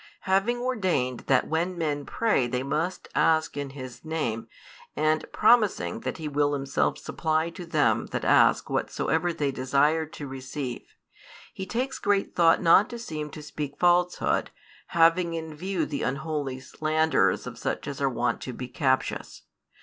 Having ordained that when men pray they must ask in His Name and promising that He will Himself supply to them that ask whatsoever they desire to receive, He takes great thought not to seem to speak falsehood, having in view the unholy slanders of such as are wont to be captious.